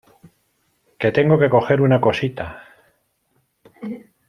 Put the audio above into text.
que tengo que coger una cosita.